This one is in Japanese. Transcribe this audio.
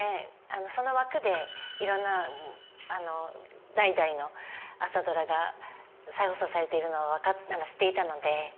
その枠でいろんな代々の「朝ドラ」が再放送されているのは知っていたので。